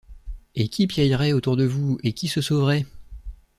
Et qui piailleraient autour de vous! et qui se sauveraient !